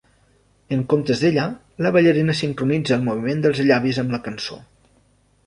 En comptes d'ella, la ballarina sincronitza el moviment dels llavis amb la cançó.